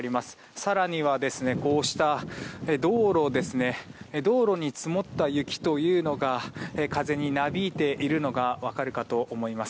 更には道路に積もった雪というのが風になびいているのが分かるかと思います。